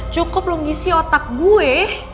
cukup lo ngisi otak gue